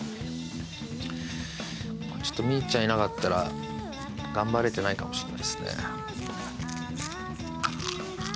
ちょっとみいちゃんいなかったら頑張れてないかもしれないですね。